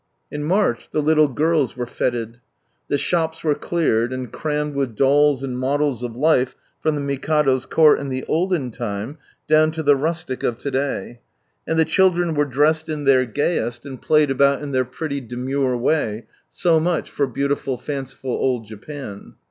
In March the little girls were feted. The shops were cleared, and crammed with dolls and models of life from the Mikado's court in the olden time down to the rustic of to^iay. And the children were dressed in their gayest, and played about in their pretty demure way.^so much for beautiful fanciful old Japan.